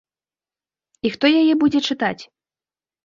І хто яе будзе чытаць?